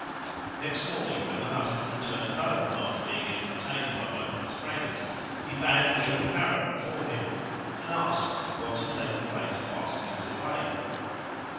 Next morning when the husband returned home after being entertained by one of his friends, he bade bring the Parrot before him and asked what had taken place whilst he was away.